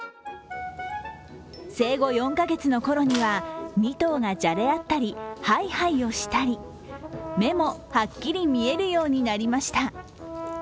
生後４カ月の頃には、２頭がじゃれ合ったりハイハイをしたり目もはっきり見えるようになりました。